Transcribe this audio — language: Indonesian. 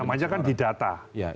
namanya kan di data